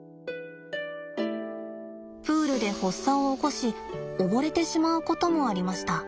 プールで発作を起こし溺れてしまうこともありました。